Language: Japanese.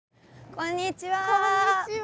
こんにちは！